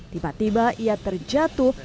tiba tiba ia terjatuh